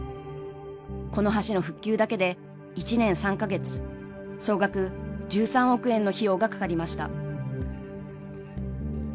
この橋の復旧だけで１年３か月総額１３億円の費用がかかりました。